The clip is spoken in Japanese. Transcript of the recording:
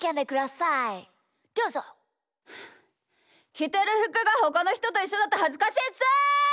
きてるふくがほかのひとといっしょだとはずかしいっす！